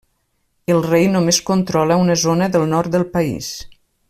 El rei només controla una zona del nord del país.